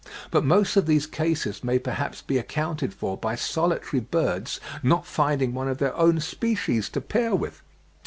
but most of these cases may perhaps be accounted for by solitary birds not finding one of their own species to pair with.